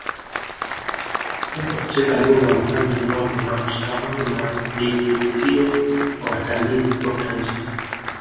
mitindo ya kucheza lugha makazi umoja na mshikamano ni vivutio kwa watalii kutoka nje